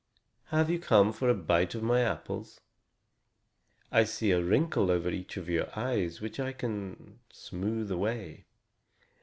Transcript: Have you come for a bite of my apples? I see a wrinkle over each of your eyes which I can smooth away."